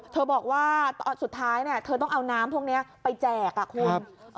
บอกว่าสุดท้ายเธอต้องเอาน้ำพวกนี้ไปแจกคุณ